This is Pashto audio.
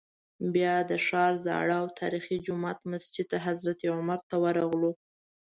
بیا د ښار زاړه او تاریخي جومات مسجد حضرت عمر ته ورغلو.